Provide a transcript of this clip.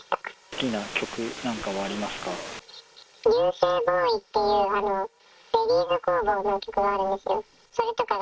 好きな曲なんかはありますか。